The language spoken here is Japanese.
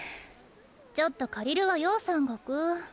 ちょっと借りるわよさんがく。